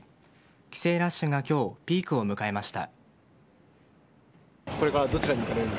帰省ラッシュが今日ピークを迎えました。